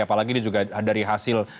apalagi ini juga dari hasil